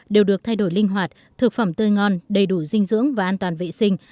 đều được thay đổi linh hoạt thực phẩm tươi ngon đầy đủ dinh dưỡng và an toàn vệ sinh